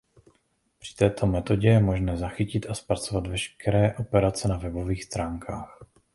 Při této metodě je možné zachytit a zpracovat veškeré operace na webových stránkách.